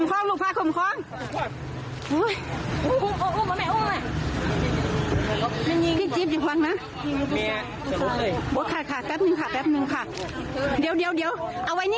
โอ้โฮคุณผู้ชมบีบหัวใจเหลือเกิน